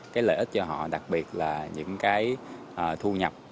cái lợi ích cho họ đặc biệt là những cái thu nhập